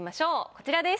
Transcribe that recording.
こちらです。